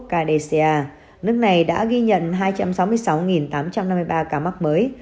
indonesia nước này đã ghi nhận hai trăm sáu mươi sáu tám trăm năm mươi ba ca mắc mới